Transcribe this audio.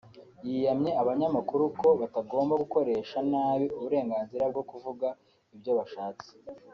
yiyamye abanyamakuru ko batagomba gukoresha nabi uburenganzira bwo kuvuga ibyo bashatse